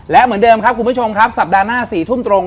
และเหมือนเดิมครับคุณผู้ชมครับสัปดาห์หน้า๔ทุ่มตรง